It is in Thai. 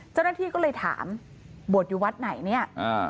เจ้าหน้าที่ก็เลยถามบวชอยู่วัดไหนเนี่ยอ่า